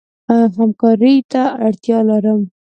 همکارۍ ته اړتیا لري.